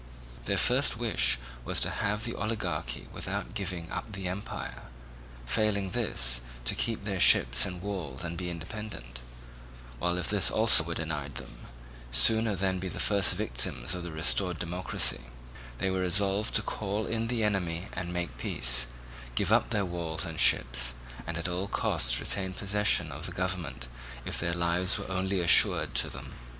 Their first wish was to have the oligarchy without giving up the empire; failing this to keep their ships and walls and be independent; while, if this also were denied them, sooner than be the first victims of the restored democracy, they were resolved to call in the enemy and make peace, give up their walls and ships, and at all costs retain possession of the government, if their lives were only assured to them.